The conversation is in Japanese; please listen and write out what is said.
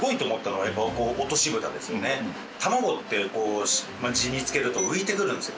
たまごって地に漬けると浮いてくるんですよ